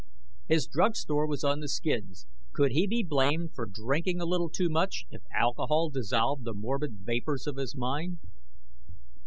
His drug store was on the skids. Could he be blamed for drinking a little too much, if alcohol dissolved the morbid vapors of his mind?